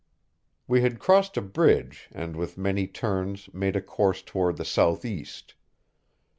We had crossed a bridge, and with many turns made a course toward the southeast.